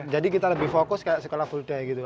jadi kita lebih fokus kayak sekolah full day gitu